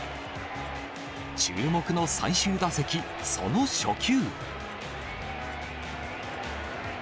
注目の最終打席、その初球。